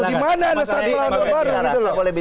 di mana anda saat melawan orde baru